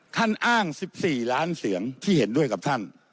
ท่านอ้าง๑๔ล้านเสียงที่เห็นด้วยกับท่าน